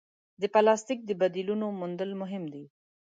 د پلاسټیک د بدیلونو موندل مهم دي.